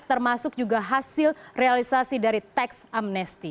termasuk juga hasil realisasi dari teks amnesty